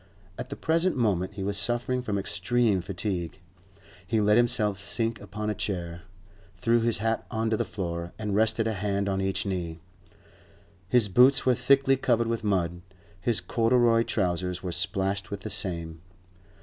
At the present moment he was suffering from extreme fatigue; he let himself sink upon a chair, threw his hat on to the floor, and rested a hand on each knee. His boots were thickly covered with mud; his corduroy trousers were splashed with the same.